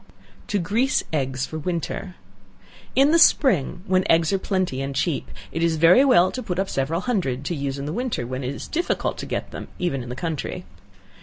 To Grease Eggs for Winter. In the spring when eggs are plenty and cheap, it is very well to put up several hundred, to use in the winter, when it is very difficult to get them, even in the country.